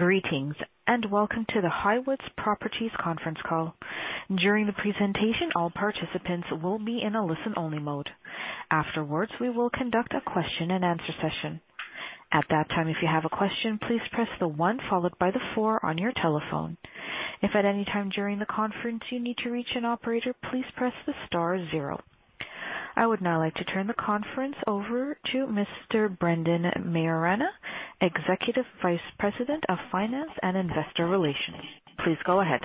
Greetings, welcome to the Highwoods Properties conference call. During the presentation, all participants will be in a listen-only mode. Afterwards, we will conduct a question-and-answer session. At that time, if you have a question, please press the one followed by the four on your telephone. If at any time during the conference you need to reach an operator, please press the star zero. I would now like to turn the conference over to Mr. Brendan Maiorana, Executive Vice President of Finance and Investor Relations. Please go ahead.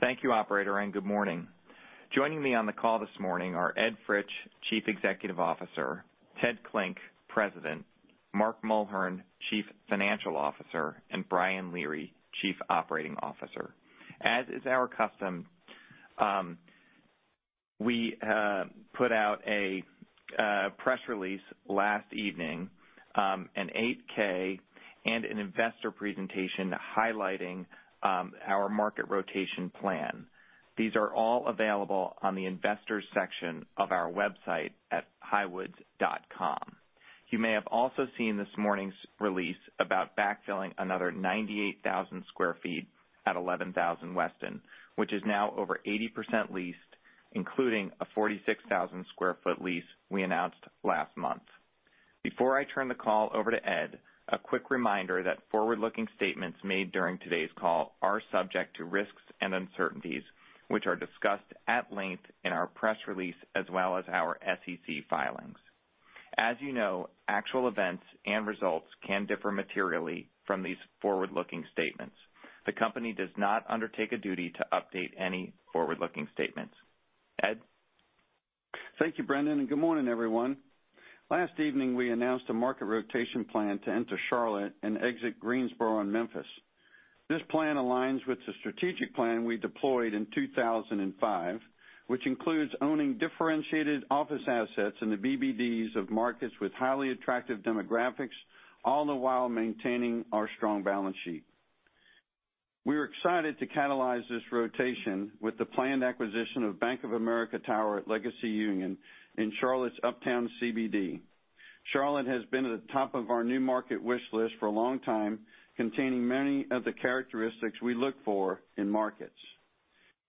Thank you, operator, and good morning. Joining me on the call this morning are Ed Fritsch, Chief Executive Officer, Ted Klinck, President, Mark Mulhern, Chief Financial Officer, and Brian Leary, Chief Operating Officer. As is our custom, we put out a press release last evening, an 8-K, and an investor presentation highlighting our market rotation plan. These are all available on the Investors section of our website at highwoods.com. You may have also seen this morning's release about backfilling another 98,000 square feet at 11000 Weston, which is now over 80% leased, including a 46,000-square-foot lease we announced last month. Before I turn the call over to Ed, a quick reminder that forward-looking statements made during today's call are subject to risks and uncertainties, which are discussed at length in our press release as well as our SEC filings. As you know, actual events and results can differ materially from these forward-looking statements. The company does not undertake a duty to update any forward-looking statements. Ed? Thank you, Brendan, and good morning, everyone. Last evening, we announced a market rotation plan to enter Charlotte and exit Greensboro and Memphis. This plan aligns with the strategic plan we deployed in 2005, which includes owning differentiated office assets in the BBDs of markets with highly attractive demographics, all the while maintaining our strong balance sheet. We're excited to catalyze this rotation with the planned acquisition of Bank of America Tower at Legacy Union in Charlotte's Uptown CBD. Charlotte has been at the top of our new market wish list for a long time, containing many of the characteristics we look for in markets.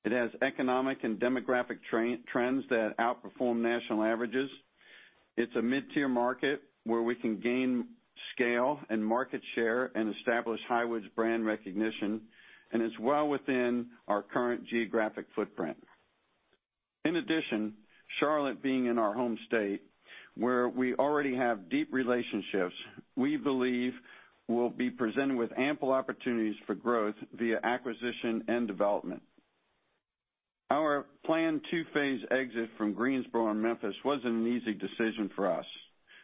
It has economic and demographic trends that outperform national averages. It's a mid-tier market where we can gain scale and market share and establish Highwoods brand recognition, and it's well within our current geographic footprint. Charlotte being in our home state, where we already have deep relationships, we believe we'll be presented with ample opportunities for growth via acquisition and development. Our planned two-phase exit from Greensboro and Memphis wasn't an easy decision for us.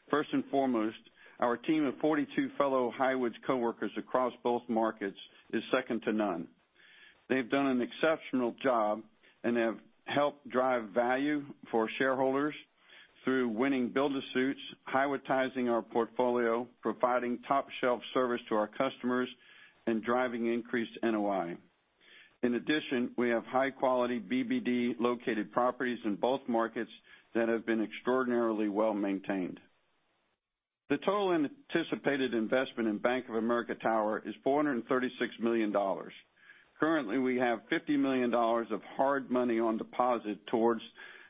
First and foremost, our team of 42 fellow Highwoods coworkers across both markets is second to none. They've done an exceptional job and have helped drive value for shareholders through winning build-to-suits, Highwoodizing our portfolio, providing top-shelf service to our customers, and driving increased NOI. We have high-quality BBD-located properties in both markets that have been extraordinarily well-maintained. The total anticipated investment in Bank of America Tower is $436 million. Currently, we have $50 million of hard money on deposit towards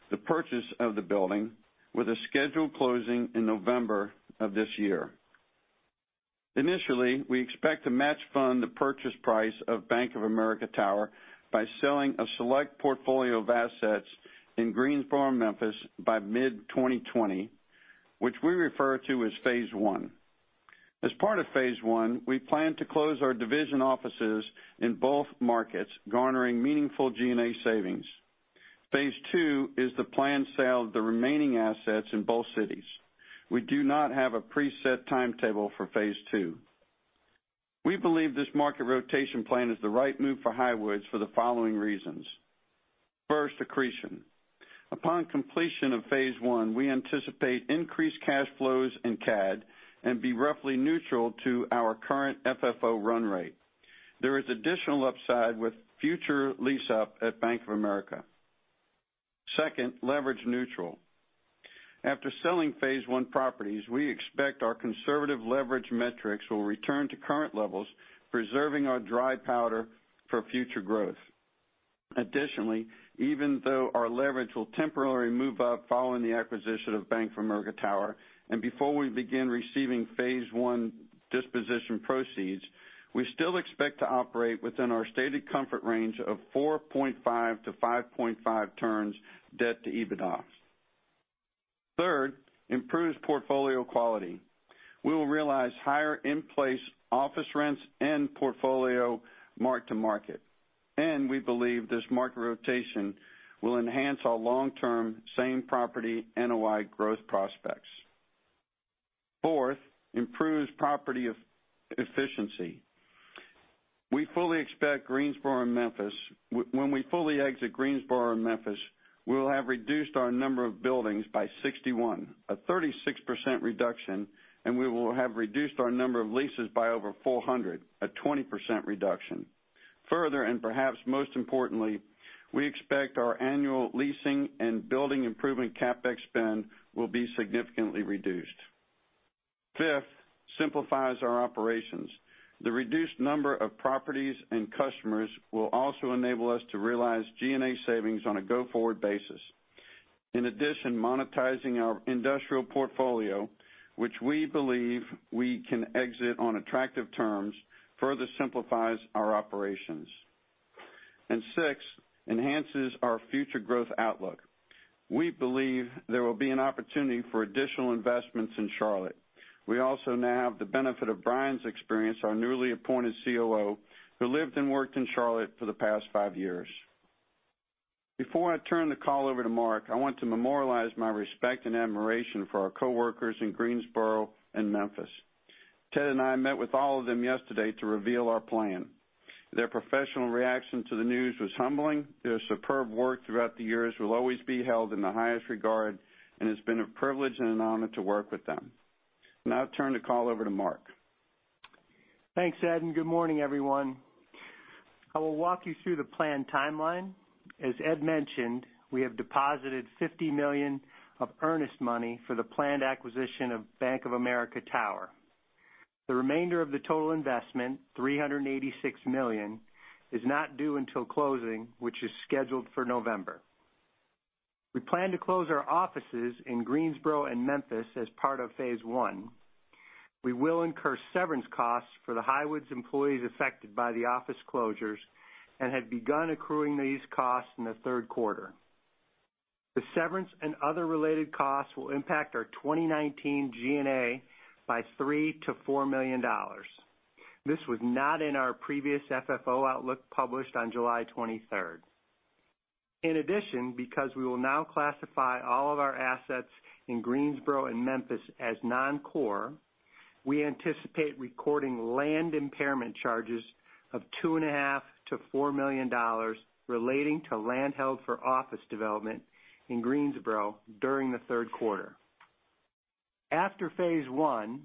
the purchase of the building, with a scheduled closing in November of this year. Initially, we expect to match fund the purchase price of Bank of America Tower by selling a select portfolio of assets in Greensboro and Memphis by mid-2020, which we refer to as phase one. As part of phase one, we plan to close our division offices in both markets, garnering meaningful G&A savings. Phase two is the planned sale of the remaining assets in both cities. We do not have a preset timetable for phase two. We believe this market rotation plan is the right move for Highwoods for the following reasons. First, accretion. Upon completion of phase one, we anticipate increased cash flows and CAD and be roughly neutral to our current FFO run rate. There is additional upside with future lease up at Bank of America. Second, leverage neutral. After selling phase one properties, we expect our conservative leverage metrics will return to current levels, preserving our dry powder for future growth. Additionally, even though our leverage will temporarily move up following the acquisition of Bank of America Tower and before we begin receiving phase one disposition proceeds, we still expect to operate within our stated comfort range of 4.5-5.5 turns debt to EBITDA. Third, improved portfolio quality. We will realize higher in-place office rents and portfolio mark-to-market, and we believe this market rotation will enhance our long-term same-property NOI growth prospects. Fourth, improved property efficiency. When we fully exit Greensboro and Memphis, we will have reduced our number of buildings by 61, a 36% reduction, and we will have reduced our number of leases by over 400, a 20% reduction. Further, and perhaps most importantly, we expect our annual leasing and building improvement CapEx spend will be significantly reduced. Fifth, simplifies our operations. The reduced number of properties and customers will also enable us to realize G&A savings on a go-forward basis. In addition, monetizing our industrial portfolio, which we believe we can exit on attractive terms, further simplifies our operations. Sixth, enhances our future growth outlook. We believe there will be an opportunity for additional investments in Charlotte. We also now have the benefit of Brian's experience, our newly appointed COO, who lived and worked in Charlotte for the past five years. Before I turn the call over to Mark, I want to memorialize my respect and admiration for our coworkers in Greensboro and Memphis. Ted and I met with all of them yesterday to reveal our plan. Their professional reaction to the news was humbling. Their superb work throughout the years will always be held in the highest regard, and it's been a privilege and an honor to work with them. Now I turn the call over to Mark. Thanks, Ed, and good morning, everyone. I will walk you through the plan timeline. As Ed mentioned, we have deposited $50 million of earnest money for the planned acquisition of Bank of America Tower. The remainder of the total investment, $386 million, is not due until closing, which is scheduled for November. We plan to close our offices in Greensboro and Memphis as part of phase one. We will incur severance costs for the Highwoods employees affected by the office closures and have begun accruing these costs in the third quarter. The severance and other related costs will impact our 2019 G&A by $3 million-$4 million. This was not in our previous FFO outlook published on July 23rd. In addition, because we will now classify all of our assets in Greensboro and Memphis as non-core, we anticipate recording land impairment charges of $2.5 million-$4 million relating to land held for office development in Greensboro during the third quarter. After phase one,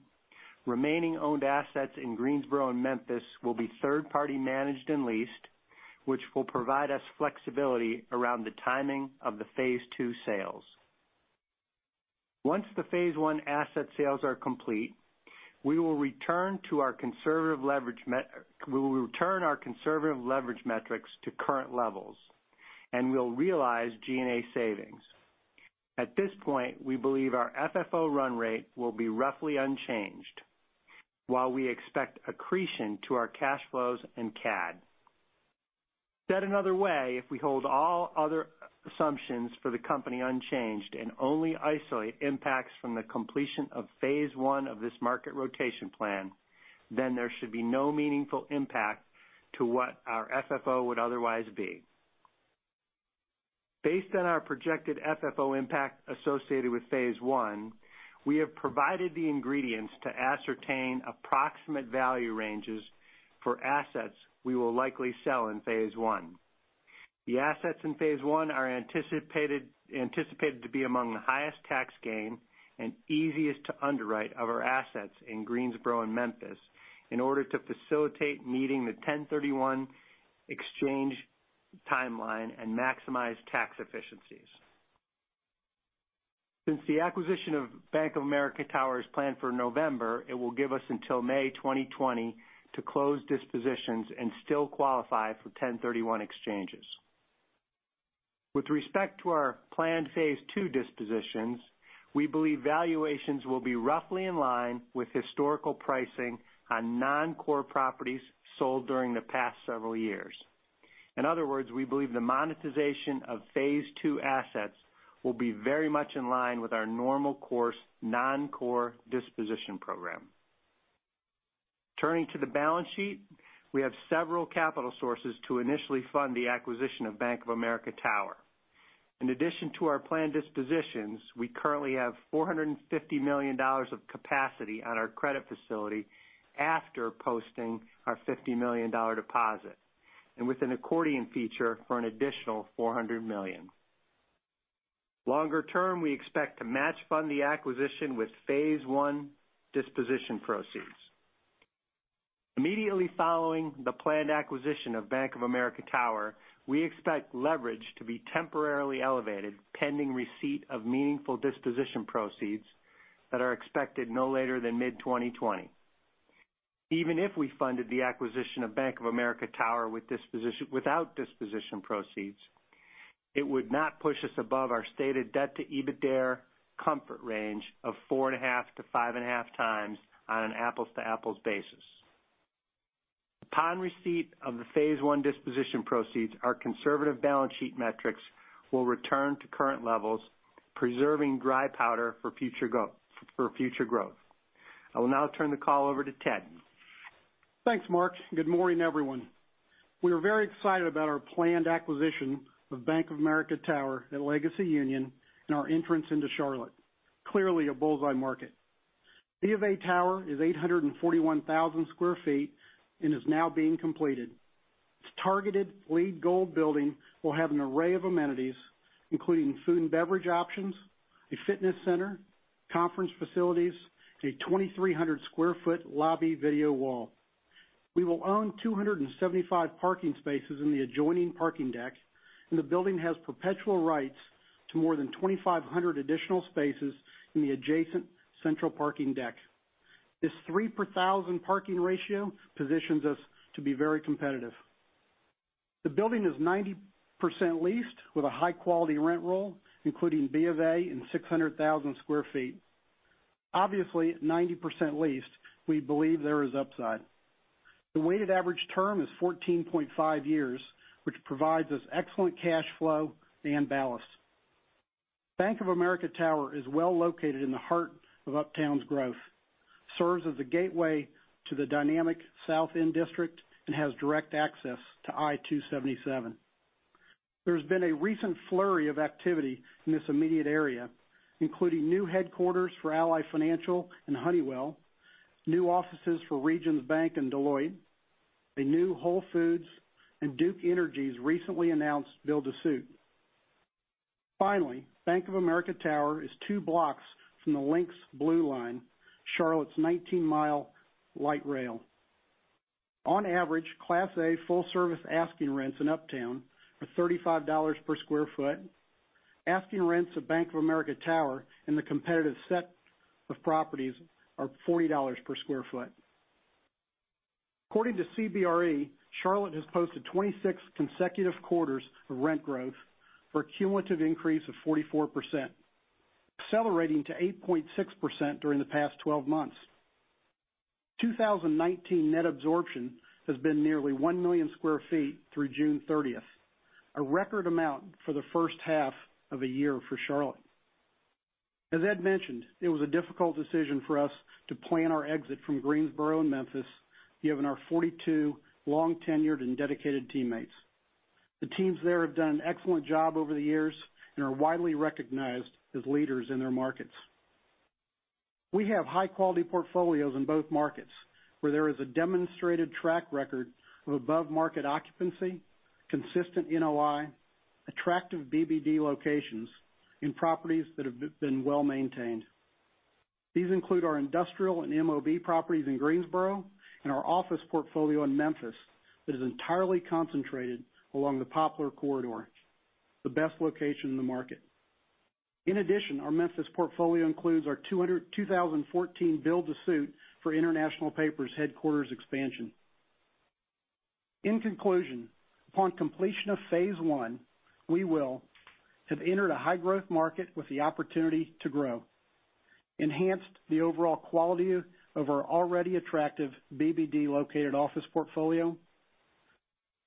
remaining owned assets in Greensboro and Memphis will be third-party managed and leased, which will provide us flexibility around the timing of the phase two sales. Once the phase one asset sales are complete, we will return our conservative leverage metrics to current levels, and we'll realize G&A savings. At this point, we believe our FFO run rate will be roughly unchanged, while we expect accretion to our cash flows and CAD. Said another way, if we hold all other assumptions for the company unchanged and only isolate impacts from the completion of phase one of this market rotation plan, then there should be no meaningful impact to what our FFO would otherwise be. Based on our projected FFO impact associated with phase one, we have provided the ingredients to ascertain approximate value ranges for assets we will likely sell in phase one. The assets in phase one are anticipated to be among the highest tax gain and easiest to underwrite of our assets in Greensboro and Memphis in order to facilitate meeting the 1031 Exchange timeline and maximize tax efficiencies. Since the acquisition of Bank of America Tower is planned for November, it will give us until May 2020 to close dispositions and still qualify for 1031 Exchanges. With respect to our planned phase two dispositions, we believe valuations will be roughly in line with historical pricing on non-core properties sold during the past several years. In other words, we believe the monetization of phase two assets will be very much in line with our normal course non-core disposition program. Turning to the balance sheet, we have several capital sources to initially fund the acquisition of Bank of America Tower. In addition to our planned dispositions, we currently have $450 million of capacity on our credit facility after posting our $50 million deposit, and with an accordion feature for an additional $400 million. Longer term, we expect to match-fund the acquisition with phase one disposition proceeds. Immediately following the planned acquisition of Bank of America Tower, we expect leverage to be temporarily elevated, pending receipt of meaningful disposition proceeds that are expected no later than mid-2020. Even if we funded the acquisition of Bank of America Tower without disposition proceeds, it would not push us above our stated debt-to-EBITDARE comfort range of 4.5-5.5 times on an apples-to-apples basis. Upon receipt of the phase 1 disposition proceeds, our conservative balance sheet metrics will return to current levels, preserving dry powder for future growth. I will now turn the call over to Ted. Thanks, Mark. Good morning, everyone. We are very excited about our planned acquisition of Bank of America Tower at Legacy Union and our entrance into Charlotte. Clearly a bull's eye market. B of A Tower is 841,000 sq ft and is now being completed. Its targeted LEED Gold building will have an array of amenities, including food and beverage options, a fitness center-conference facilities, a 2,300 sq ft lobby video wall. We will own 275 parking spaces in the adjoining parking deck. The building has perpetual rights to more than 2,500 additional spaces in the adjacent central parking deck. This three per thousand parking ratio positions us to be very competitive. The building is 90% leased with a high-quality rent roll, including B of A and 600,000 sq ft. Obviously, at 90% leased, we believe there is upside. The weighted average term is 14.5 years, which provides us excellent cash flow and ballast. Bank of America Tower is well-located in the heart of Uptown's growth, serves as a gateway to the dynamic South End district, and has direct access to I-277. There's been a recent flurry of activity in this immediate area, including new headquarters for Ally Financial and Honeywell, new offices for Regions Bank and Deloitte, a new Whole Foods, and Duke Energy's recently announced build-to-suit. Finally, Bank of America Tower is two blocks from the LYNX Blue Line, Charlotte's 19-mile light rail. On average, Class A full-service asking rents in Uptown are $35 per square foot. Asking rents of Bank of America Tower in the competitive set of properties are $40 per square foot. According to CBRE, Charlotte has posted 26 consecutive quarters of rent growth for a cumulative increase of 44%, accelerating to 8.6% during the past 12 months. 2019 net absorption has been nearly 1 million square feet through June 30th, a record amount for the first half of a year for Charlotte. As Ed mentioned, it was a difficult decision for us to plan our exit from Greensboro and Memphis, given our 42 long-tenured and dedicated teammates. The teams there have done an excellent job over the years and are widely recognized as leaders in their markets. We have high-quality portfolios in both markets, where there is a demonstrated track record of above-market occupancy, consistent NOI, attractive BBD locations in properties that have been well-maintained. These include our industrial and MOB properties in Greensboro and our office portfolio in Memphis that is entirely concentrated along the Poplar Corridor, the best location in the market. In addition, our Memphis portfolio includes our 2014 build-to-suit for International Paper's headquarters expansion. In conclusion, upon completion of phase 1, we will have entered a high-growth market with the opportunity to grow, enhanced the overall quality of our already attractive BBD-located office portfolio,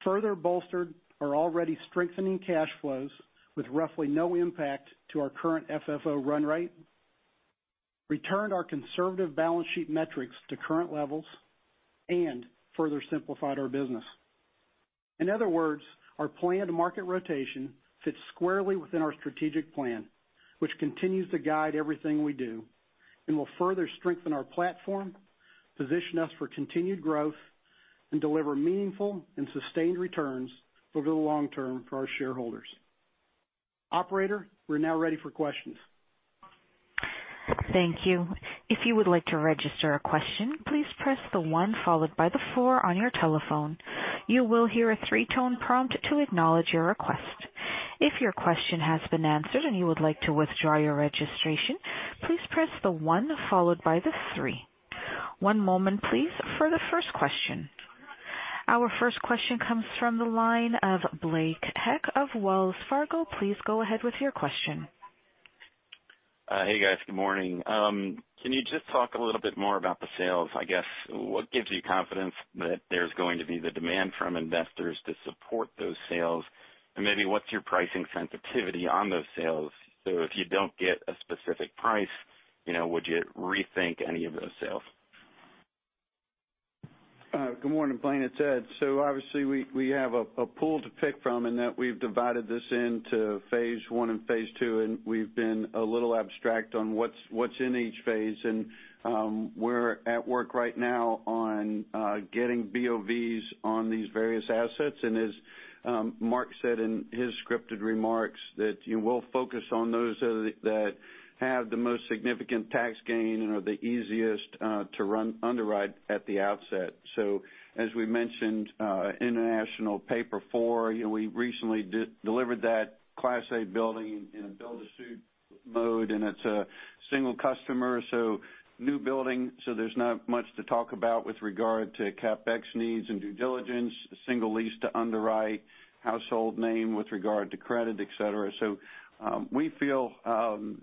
further bolstered our already strengthening cash flows with roughly no impact to our current FFO run rate, returned our conservative balance sheet metrics to current levels, and further simplified our business. In other words, our planned market rotation fits squarely within our strategic plan, which continues to guide everything we do and will further strengthen our platform, position us for continued growth, and deliver meaningful and sustained returns over the long term for our shareholders. Operator, we are now ready for questions. Thank you. If you would like to register a question, please press the one followed by the four on your telephone. You will hear a 3-tone prompt to acknowledge your request. If your question has been answered and you would like to withdraw your registration, please press the one followed by the three. One moment, please, for the first question. Our first question comes from the line of Blaine Heck of Wells Fargo. Please go ahead with your question. Hey, guys. Good morning. Can you just talk a little bit more about the sales? I guess, what gives you confidence that there's going to be the demand from investors to support those sales? Maybe what's your pricing sensitivity on those sales? If you don't get a specific price, would you rethink any of those sales? Good morning, Blaine. It's Ed. Obviously, we have a pool to pick from, and that we've divided this into phase one and phase two, and we've been a little abstract on what's in each phase. We're at work right now on getting BOVs on these various assets. As Mark said in his scripted remarks, that we'll focus on those that have the most significant tax gain and are the easiest to underwrite at the outset. As we mentioned, International Paper IV, we recently delivered that class A building in a build-to-suit mode, and it's a single customer. New building, there's not much to talk about with regard to CapEx needs and due diligence, a single lease to underwrite, household name with regard to credit, et cetera. We feel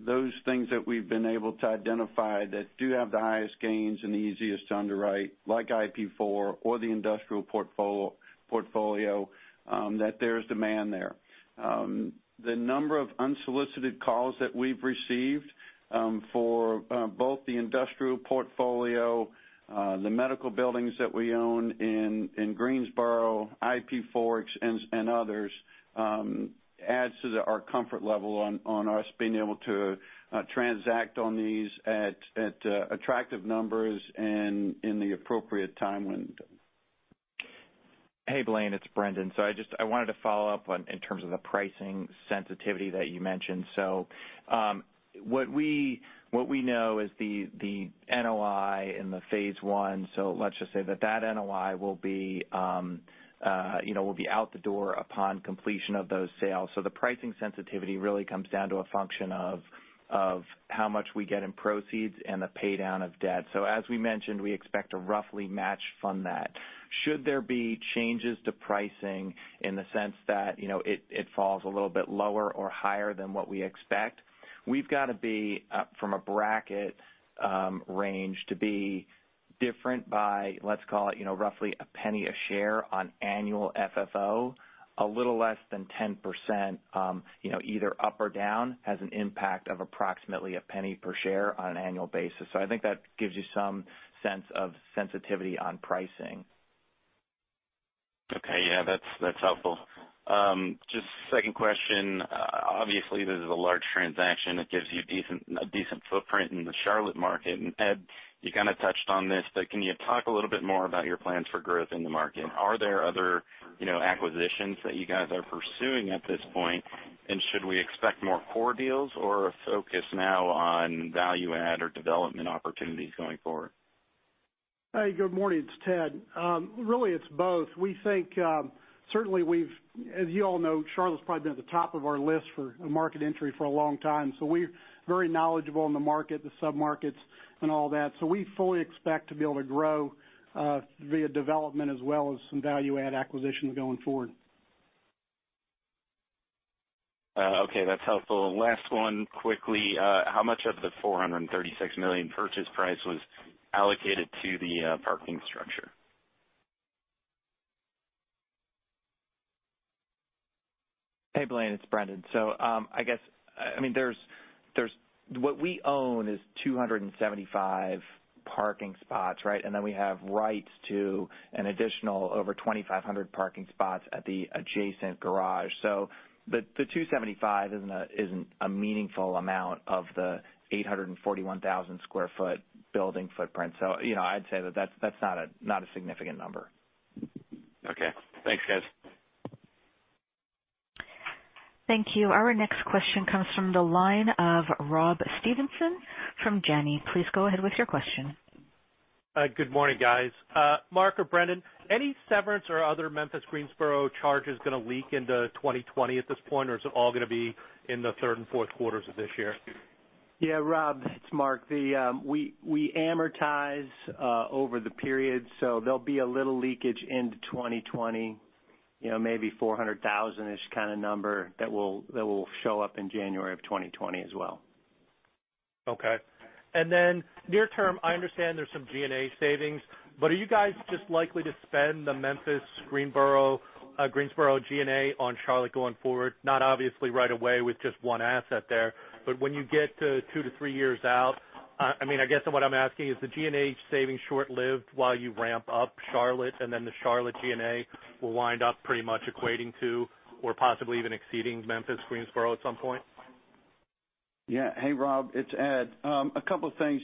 those things that we've been able to identify that do have the highest gains and the easiest to underwrite, like IP4 or the industrial portfolio, that there's demand there. The number of unsolicited calls that we've received for both the industrial portfolio, the medical buildings that we own in Greensboro, IP4, and others adds to our comfort level on us being able to transact on these at attractive numbers and in the appropriate time window. Hey, Blaine, it's Brendan. I wanted to follow up in terms of the pricing sensitivity that you mentioned. What we know is the NOI in the phase one, let's just say that that NOI will be out the door upon completion of those sales. The pricing sensitivity really comes down to a function of how much we get in proceeds and the pay-down of debt. As we mentioned, we expect to roughly match fund that. Should there be changes to pricing in the sense that it falls a little bit lower or higher than what we expect, we've got to be from a bracket range to be different by, let's call it, roughly $0.01 a share on annual FFO. A little less than 10% either up or down has an impact of approximately $0.01 per share on an annual basis. I think that gives you some sense of sensitivity on pricing. Okay. Yeah, that's helpful. Just second question. Obviously, this is a large transaction. It gives you a decent footprint in the Charlotte market. Ed, you kind of touched on this, but can you talk a little bit more about your plans for growth in the market? Are there other acquisitions that you guys are pursuing at this point? Should we expect more core deals or a focus now on value add or development opportunities going forward? Hey, good morning. It's Ted. Really, it's both. We think, certainly we've, as you all know, Charlotte's probably been at the top of our list for a market entry for a long time. We're very knowledgeable in the market, the sub-markets and all that. We fully expect to be able to grow via development as well as some value add acquisitions going forward. Okay, that's helpful. Last one quickly, how much of the $436 million purchase price was allocated to the parking structure? Hey, Blaine, it's Brendan. I guess, what we own is 275 parking spots, right? Then we have rights to an additional over 2,500 parking spots at the adjacent garage. The 275 isn't a meaningful amount of the 841,000 sq ft building footprint. I'd say that that's not a significant number. Okay, thanks guys. Thank you. Our next question comes from the line of Rob Stevenson from Janney. Please go ahead with your question. Good morning, guys. Mark or Brendan, any severance or other Memphis, Greensboro charges gonna leak into 2020 at this point, or is it all gonna be in the third and fourth quarters of this year? Yeah, Rob, it's Mark. We amortize over the period, so there'll be a little leakage into 2020. Maybe $400,000-ish kind of number that will show up in January of 2020 as well. Okay. Near term, I understand there's some G&A savings, but are you guys just likely to spend the Memphis, Greensboro G&A on Charlotte going forward? Not obviously right away with just one asset there, but when you get to two to three years out, I guess what I'm asking is the G&A savings short-lived while you ramp up Charlotte and then the Charlotte G&A will wind up pretty much equating to or possibly even exceeding Memphis, Greensboro at some point? Hey, Rob, it's Ed. A couple things.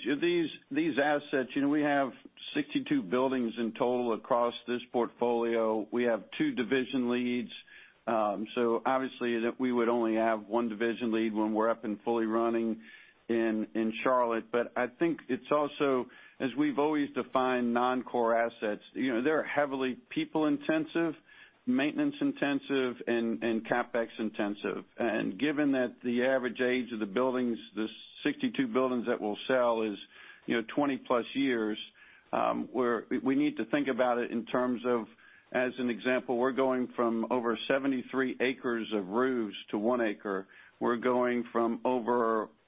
These assets, we have 62 buildings in total across this portfolio. We have 2 division leads. Obviously we would only have one division lead when we're up and fully running in Charlotte. I think it's also, as we've always defined non-core assets, they are heavily people intensive, maintenance intensive, and CapEx intensive. Given that the average age of the buildings, the 62 buildings that we'll sell is 20 plus years, we need to think about it in terms of, as an example, we're going from over 73 acres of roofs to one acre. We're going from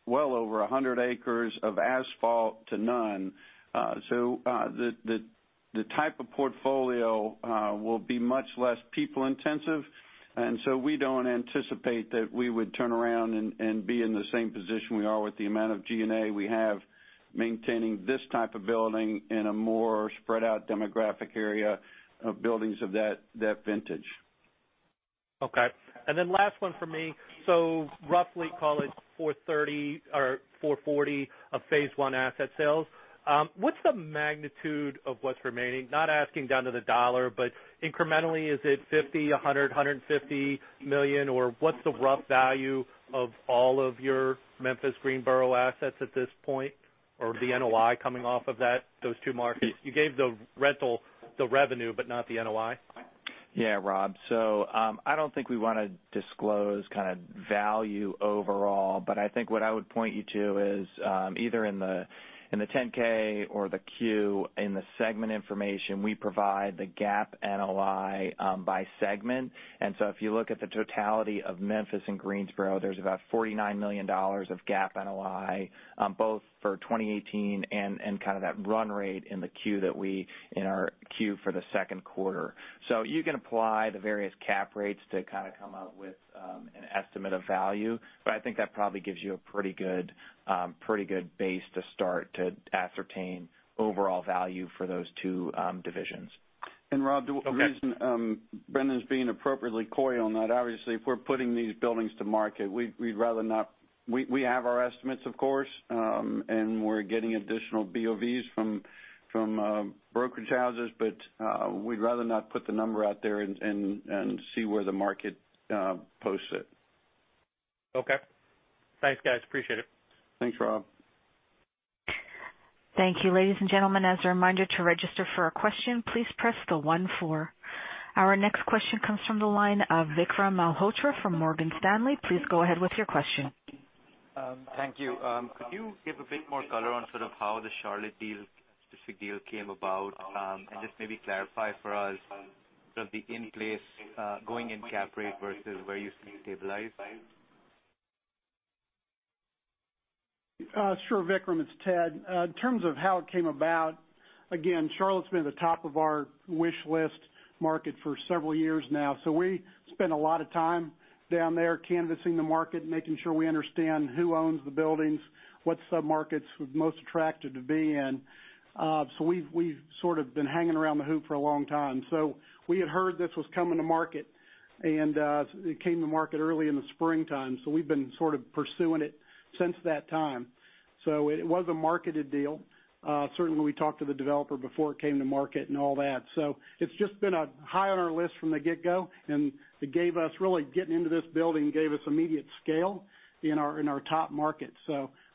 well over 100 acres of asphalt to none. The type of portfolio will be much less people intensive, and so we don't anticipate that we would turn around and be in the same position we are with the amount of G&A we have maintaining this type of building in a more spread-out demographic area of buildings of that vintage. Okay. Last one for me. Roughly call it 430 or 440 of phase one asset sales. What's the magnitude of what's remaining? Not asking down to the dollar, but incrementally, is it $50 million, $100 million, $150 million, or what's the rough value of all of your Memphis, Greensboro assets at this point, or the NOI coming off of those two markets? You gave the revenue, but not the NOI. Yeah, Rob. I don't think we want to disclose kind of value overall, but I think what I would point you to is, either in the 10-K or the Q, in the segment information, we provide the GAAP NOI, by segment. If you look at the totality of Memphis and Greensboro, there's about $49 million of GAAP NOI, both for 2018 and kind of that run rate in our Q for the second quarter. You can apply the various cap rates to kind of come out with an estimate of value. I think that probably gives you a pretty good base to start to ascertain overall value for those two divisions. Rob. Okay The reason Brendan's being appropriately coy on that, obviously, if we're putting these buildings to market, we'd rather not. We have our estimates, of course. We're getting additional BOVs from brokerage houses, but we'd rather not put the number out there and see where the market posts it. Okay. Thanks, guys. Appreciate it. Thanks, Rob. Thank you. Ladies and gentlemen, as a reminder to register for a question, please press the 14. Our next question comes from the line of Vikram Malhotra from Morgan Stanley. Please go ahead with your question. Thank you. Could you give a bit more color on sort of how the Charlotte specific deal came about? Just maybe clarify for us sort of the going-in cap rate versus where you see it stabilized. Sure, Vikram, it's Ted. In terms of how it came about, again, Charlotte's been at the top of our wish list market for several years now. We spent a lot of time down there canvassing the market, making sure we understand who owns the buildings, what submarkets we're most attracted to be in. We've sort of been hanging around the hoop for a long time. We had heard this was coming to market, and it came to market early in the springtime. We've been sort of pursuing it since that time. It was a marketed deal. Certainly, we talked to the developer before it came to market and all that. It's just been high on our list from the get-go, and really getting into this building gave us immediate scale in our top market.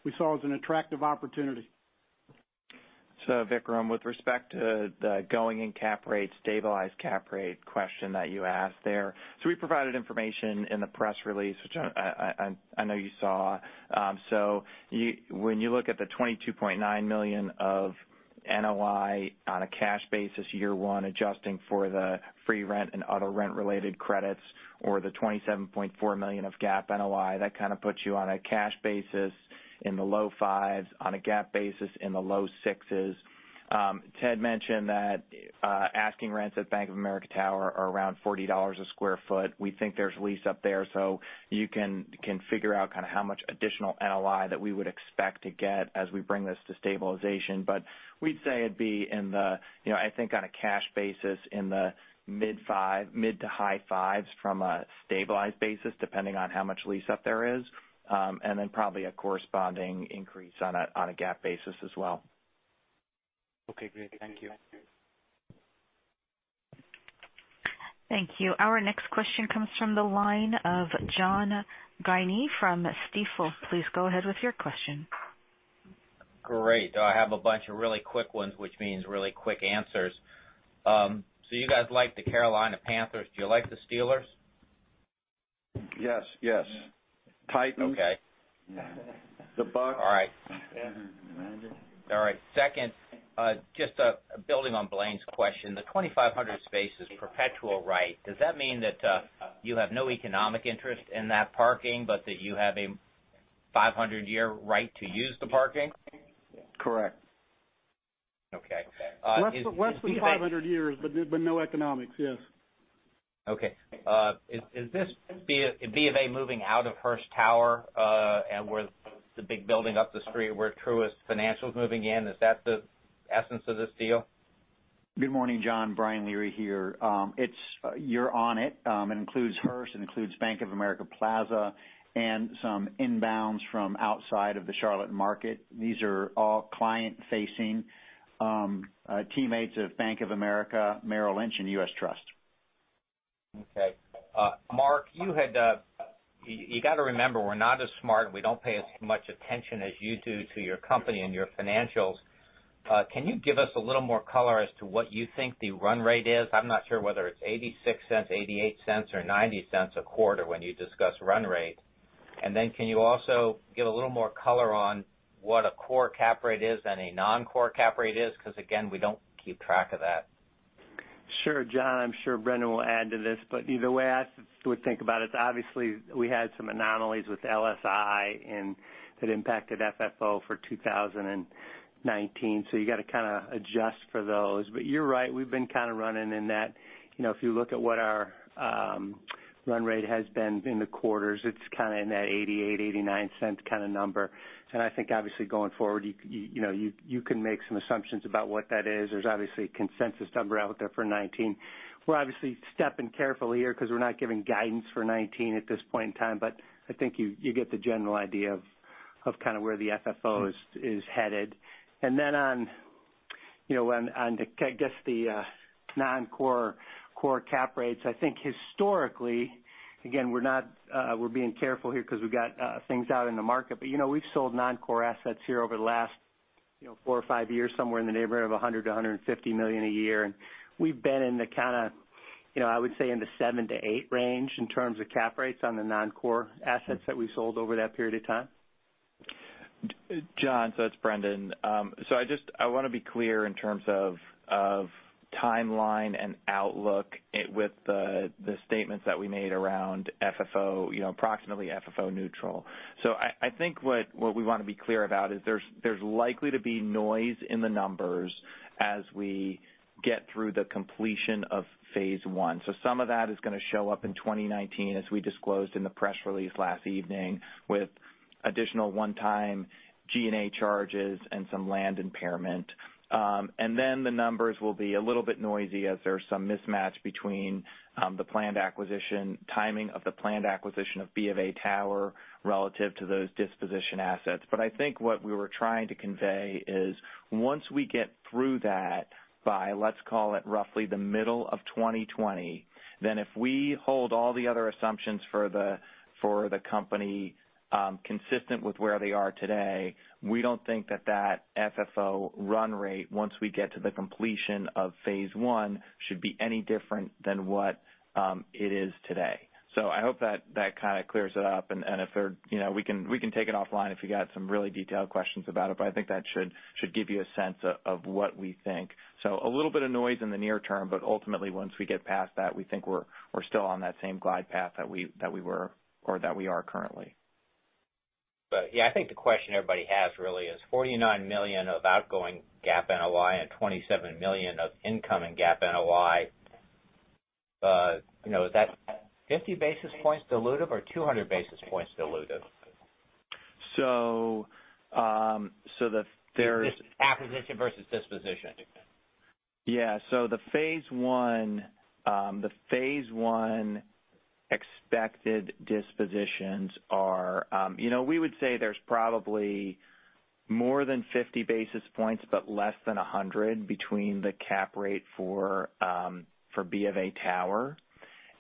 We saw it as an attractive opportunity. Vikram, with respect to the going-in cap rate, stabilized cap rate question that you asked there. We provided information in the press release, which I know you saw. When you look at the $22.9 million of NOI on a cash basis, year one, adjusting for the free rent and other rent-related credits or the $27.4 million of GAAP NOI, that kind of puts you on a cash basis in the low 5s, on a GAAP basis in the low 6s. Ted mentioned that asking rents at Bank of America Tower are around $40 a square foot. We think there's lease-up there. You can figure out kind of how much additional NOI that we would expect to get as we bring this to stabilization. We'd say it'd be in the, I think on a cash basis, in the mid to high fives from a stabilized basis, depending on how much lease up there is. Then probably a corresponding increase on a GAAP basis as well. Okay, great. Thank you. Thank you. Our next question comes from the withline of John Guinee from Stifel. Please go ahead with your question. Great. I have a bunch of really quick ones, which means really quick answers. You guys like the Carolina Panthers. Do you like the Steelers? Yes. Yes. Okay. Titans. The Bucs. All right. Yeah. All right. Second, just building on Blaine's question, the 2,500 space is perpetual, right? Does that mean that you have no economic interest in that parking, but that you have a 500-year right to use the parking? Correct. Okay. Less than 500 years, but no economics. Yes. Okay. Is this B of A moving out of Hearst Tower, the big building up the street where Truist Financial's moving in? Is that the essence of this deal? Good morning, John. Brian Leary here. You're on it. It includes Hearst, it includes Bank of America Plaza, and some inbounds from outside of the Charlotte market. These are all client-facing teammates of Bank of America, Merrill Lynch, and U.S. Trust. Okay. Mark, you got to remember, we're not as smart, and we don't pay as much attention as you do to your company and your financials. Can you give us a little more color as to what you think the run rate is? I'm not sure whether it's $0.86, $0.88, or $0.90 a quarter when you discuss run rate. Then can you also give a little more color on what a core cap rate is and a non-core cap rate is? Again, we don't keep track of that. Sure, John. I'm sure Brendan will add to this, but the way I would think about it, obviously we had some anomalies with LSI, and it impacted FFO for 2019. You got to kind of adjust for those. You're right, we've been kind of running in that. If you look at what our run rate has been in the quarters, it's kind of in that $0.88, $0.89 kind of number. I think obviously going forward, you can make some assumptions about what that is. There is obviously a consensus number out there for 2019. We're obviously stepping carefully here because we're not giving guidance for 2019 at this point in time, but I think you get the general idea of kind of where the FFO is headed. On, I guess the non-core cap rates, I think historically, again, we're being careful here because we've got things out in the market. We've sold non-core assets here over the last four or five years, somewhere in the neighborhood of $100 million-$150 million a year. We've been in the kind of, I would say in the 7%-8% range in terms of cap rates on the non-core assets that we've sold over that period of time. John, it's Brendan. I want to be clear in terms of timeline and outlook with the statements that we made around approximately FFO neutral. I think what we want to be clear about is there's likely to be noise in the numbers as we get through the completion of phase 1. Some of that is going to show up in 2019, as we disclosed in the press release last evening, with additional one-time G&A charges and some land impairment. The numbers will be a little bit noisy as there's some mismatch between the timing of the planned acquisition of Bank of America Tower relative to those disposition assets. I think what we were trying to convey is once we get through that by, let's call it roughly the middle of 2020. If we hold all the other assumptions for the company, consistent with where they are today, we don't think that that FFO run rate, once we get to the completion of phase 1, should be any different than what it is today. I hope that kind of clears it up. We can take it offline if you got some really detailed questions about it, but I think that should give you a sense of what we think. A little bit of noise in the near term, but ultimately once we get past that, we think we're still on that same glide path that we were or that we are currently. Yeah, I think the question everybody has really is $49 million of outgoing GAAP NOI and $27 million of incoming GAAP NOI. Is that 50 basis points dilutive or 200 basis points dilutive? So, there's- Acquisition versus disposition. The phase one expected dispositions are We would say there's probably more than 50 basis points, but less than 100 between the cap rate for Bank of America Tower.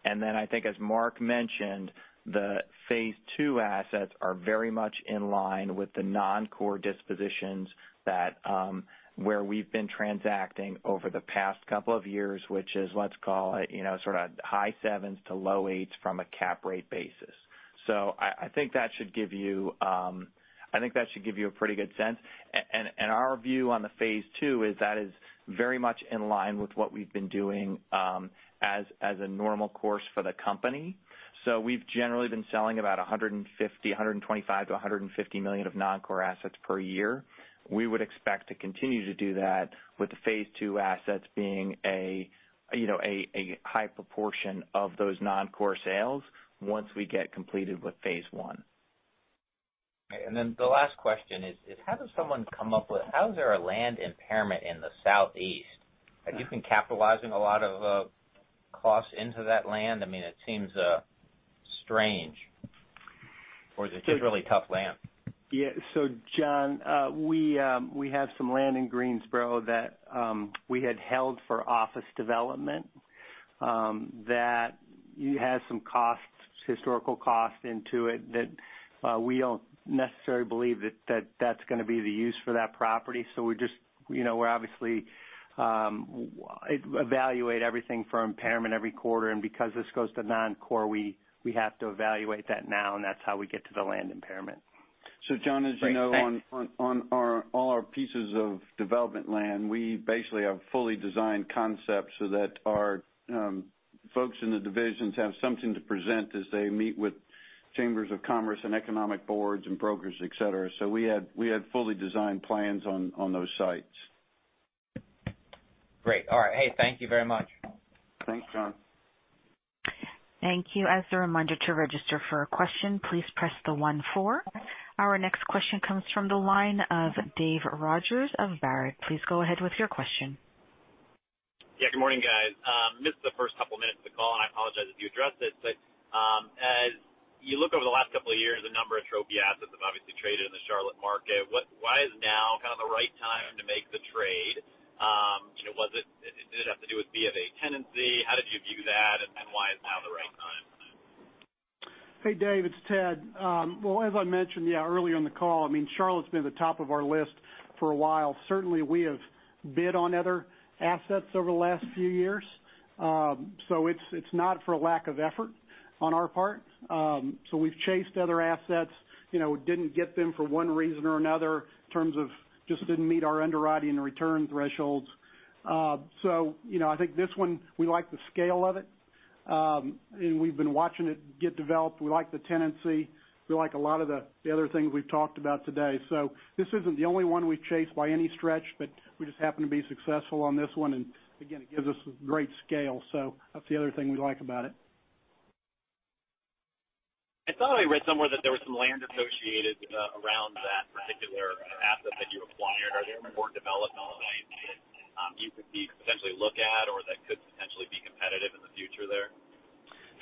I think as Mark mentioned, the phase 2 assets are very much in line with the non-core dispositions where we've been transacting over the past couple of years. Let's call it, sort of high 7s-low 8s from a cap rate basis. I think that should give you a pretty good sense. Our view on the phase 2 is that is very much in line with what we've been doing, as a normal course for the company. We've generally been selling about $125 million-$150 million of non-core assets per year. We would expect to continue to do that with the phase two assets being a high proportion of those non-core sales once we get completed with phase one. Okay. The last question is, How is there a land impairment in the Southeast? Have you been capitalizing a lot of costs into that land? It seems strange. Is it just really tough land? John, we have some land in Greensboro that we had held for office development, that has some historical cost into it that we don't necessarily believe that that's going to be the use for that property. We're obviously evaluate everything for impairment every quarter, and because this goes to non-core, we have to evaluate that now, and that's how we get to the land impairment. John, as you know- Great. Thanks. on all our pieces of development land, we basically have fully designed concepts so that our folks in the divisions have something to present as they meet with chambers of commerce and economic boards and brokers, et cetera. We had fully designed plans on those sites. Great. All right. Hey, thank you very much. Thanks, John. Thank you. As a reminder to register for a question, please press 14. Our next question comes from the line of Dave Rogers of Baird. Please go ahead with your question. Good morning, guys. Missed the first couple of minutes of the call. I apologize if you addressed this. As you look over the last couple of years, a number of trophy assets have obviously traded in the Charlotte market. Why is now kind of the right time to make the trade? Did it have to do with BofA tenancy? How did you view that? Why is now the right time? Hey, Dave, it's Ted. Well, as I mentioned, yeah, earlier in the call, Charlotte's been at the top of our list for a while. Certainly, we have bid on other assets over the last few years. It's not for lack of effort on our part. We've chased other assets. Didn't get them for one reason or another in terms of just didn't meet our underwriting return thresholds. I think this one, we like the scale of it. We've been watching it get developed. We like the tenancy. We like a lot of the other things we've talked about today. This isn't the only one we've chased by any stretch, but we just happened to be successful on this one, and again, it gives us great scale, so that's the other thing we like about it. I thought I read somewhere that there was some land associated around that particular asset that you acquired. Are there more development opportunities that you could potentially look at or that could potentially be competitive in the future there?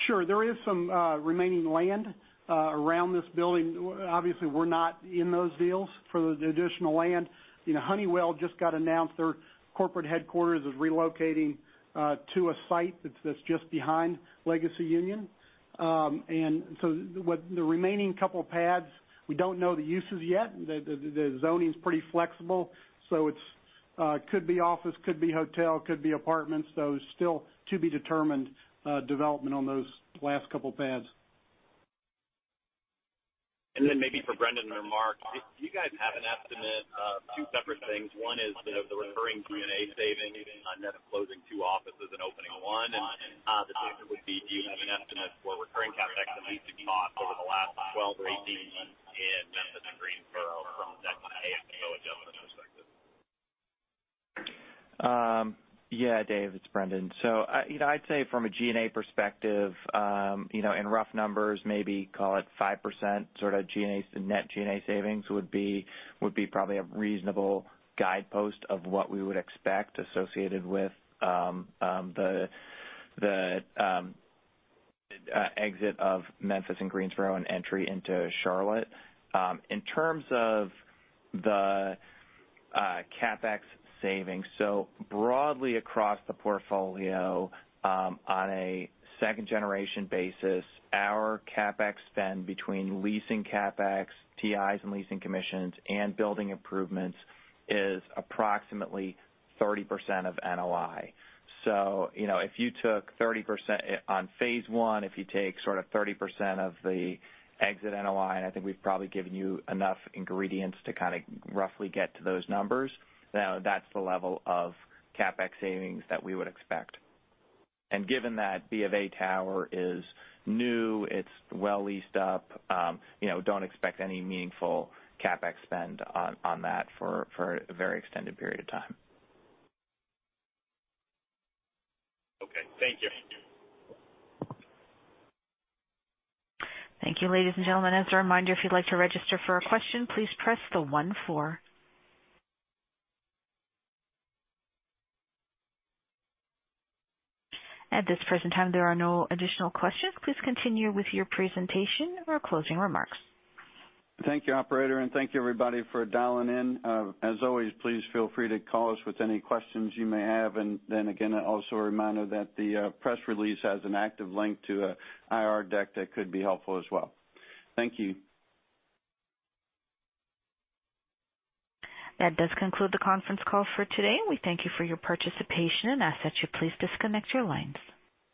Sure. There is some remaining land around this building. Obviously, we're not in those deals for the additional land. Honeywell just got announced their corporate headquarters is relocating to a site that's just behind Legacy Union. With the remaining couple pads, we don't know the uses yet. The zoning's pretty flexible, so it could be office, could be hotel, could be apartments. Those still to-be-determined development on those last couple pads. Maybe for Brendan or Mark, do you guys have an estimate of two separate things? One is the recurring G&A savings on net of closing two offices and opening one, and the second would be, do you have an estimate for recurring CapEx and leasing costs over the last 12 or 18 months in Memphis and Greensboro from a net-to-NOI adjustment perspective? Yeah. Dave, it's Brendan. I'd say from a G&A perspective, in rough numbers, maybe call it 5% sort of net G&A savings would be probably a reasonable guidepost of what we would expect associated with the exit of Memphis and Greensboro and entry into Charlotte. In terms of the CapEx savings, broadly across the portfolio, on a second-generation basis, our CapEx spend between leasing CapEx, TIs and leasing commissions, and building improvements is approximately 30% of NOI. If you took 30% on phase one, if you take sort of 30% of the exit NOI, and I think we've probably given you enough ingredients to kind of roughly get to those numbers, now that's the level of CapEx savings that we would expect. Given that BofA Tower is new, it's well leased up, don't expect any meaningful CapEx spend on that for a very extended period of time. Okay. Thank you. Thank you. Ladies and gentlemen, as a reminder, if you'd like to register for a question, please press the one four. At this present time, there are no additional questions. Please continue with your presentation or closing remarks. Thank you, operator, thank you, everybody, for dialing in. As always, please feel free to call us with any questions you may have. Again, also a reminder that the press release has an active link to a IR deck that could be helpful as well. Thank you. That does conclude the conference call for today. We thank you for your participation and ask that you please disconnect your lines.